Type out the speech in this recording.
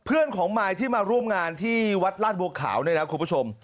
เพื่อนของมายที่มาร่วมงานที่วัดลาดบัวขาวเนี่ยนะคุณผู้ชม